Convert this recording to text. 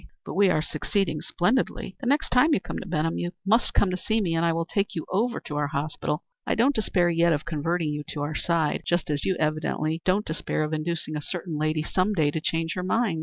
But we are succeeding splendidly. The next time you come to Benham you must come to see me, and I will take you over our hospital. I don't despair yet of converting you to our side, just as you evidently don't despair of inducing a certain lady some day to change her mind.